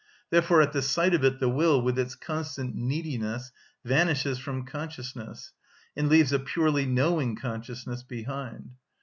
Therefore, at the sight of it the will, with its constant neediness, vanishes from consciousness, and leaves a purely knowing consciousness behind.